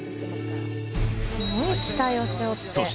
すごい期待を背負って。